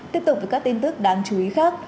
tiếp tục với các tin tức đáng chú ý khác